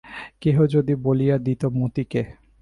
কেহ যদি বলিয়া দিত মতিকে!